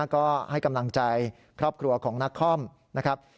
ก็ให้กำลังใจครอบครัวของนักคอมนะครับ